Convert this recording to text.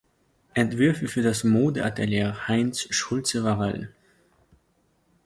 Entwürfe für das Mode-Atelier Heinz Schulze-Varell.